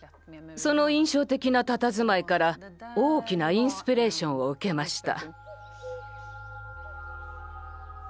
その印象的なたたずまいから大きなインスピレーションを受けました。